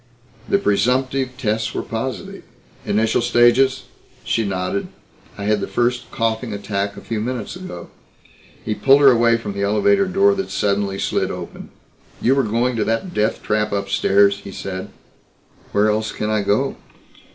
"The presumptive tests were positive." "Initial stages?" She nodded. "I had the first coughing attack a few minutes ago." He pulled her away from the elevator door that suddenly slid open. "You were going to that death trap upstairs," he said. "Where else can I go?"